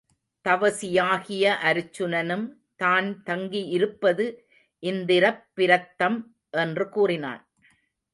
தவசியாகிய அருச்சுனனும் தான் தங்கி இருப்பது இந்திரப்பிரத்தம் என்று கூறினான்.